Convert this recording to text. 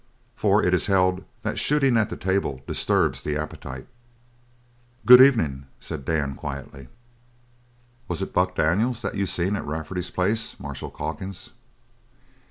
For it is held that shooting at the table disturbs the appetite. "Good evenin'," said Dan quietly. "Was it Buck Daniels that you seen at Rafferty's place, Marshal Calkins?"